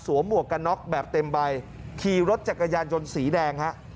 หมวกกันน็อกแบบเต็มใบขี่รถจักรยานยนต์สีแดงฮะ